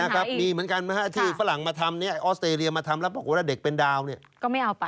ก็ไม่เอาไป